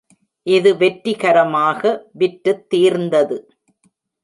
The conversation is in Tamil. இது வெற்றிகரமாக விற்றுத்தீர்ந்தது.